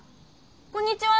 こんにちは。